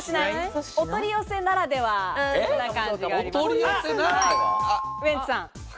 お取り寄せならではな感じがありますね。